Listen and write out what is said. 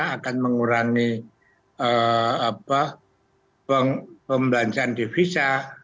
akan mengurangi pembelanjaan devisa